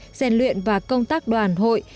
gian luyện và công tác đoàn hội